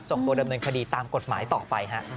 ส่งตัวดำเนินคดีตามกฎหมายต่อไปฮะ